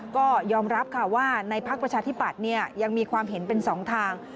ก็ยอมรับค่ะว่าในพักประชาธิปัตย์ยังมีความเห็นเป็น๒ทาง